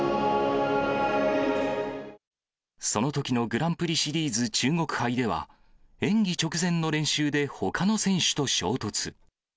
そのときのグランプリシリーズ中国杯では、演技直前の練習でほかの選手と衝突。